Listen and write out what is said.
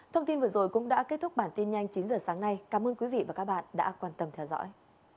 thông tin vừa rồi cũng đã kết thúc bản tin nhanh chín giờ sáng nay cảm ơn quý vị và các bạn đã quan tâm theo dõi